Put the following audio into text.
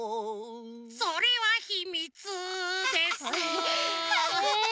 それはひみつですえ！